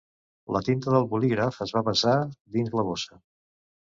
La tinta del bolígraf es va vessar dins la bossa.